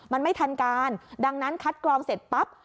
มันไม่ทันการดังนั้นคัดกรองเสร็จปั๊บ